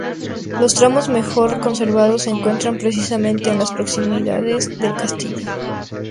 Los tramos mejor conservados se encuentran precisamente en las proximidades del castillo.